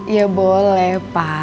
ya boleh pa